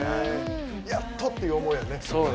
やっと！っていう思いやね。